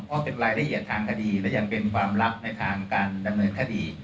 เพราะเป็นรายละเอียดทางคดีและยังเป็นความลับในทางการดำเนินคดี